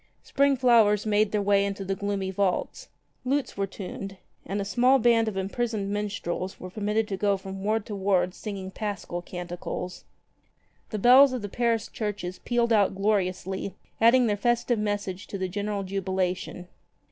Spring flowers made their way into the gloomy vaults. Lutes were tuned and a small band of imprisoned minstrels were permitted to go from ward to ward singing Paschal canticles. The bells of the Paris churches pealed out gloriously, adding their festive message to the general jubilation.